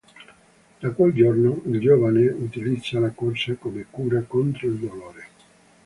Da quel giorno il giovane utilizza la corsa come cura contro il dolore.